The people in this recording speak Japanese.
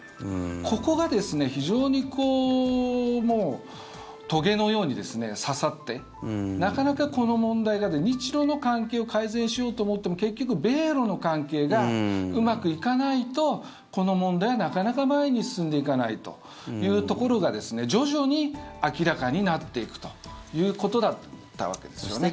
ここが非常にとげのように刺さってなかなかこの問題は日ロの関係を改善しようと思っても結局、米ロの関係がうまく行かないと、この問題はなかなか前に進んでいかないというところが徐々に明らかになっていくということだったわけですね。